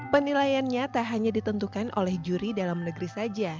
penilaiannya tak hanya ditentukan oleh juri dalam negeri saja